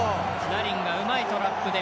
ラリンがうまいトラップで。